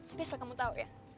tapi asal kamu tau ya